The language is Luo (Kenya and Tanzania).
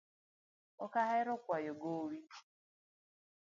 Ok ahero kwayo gowi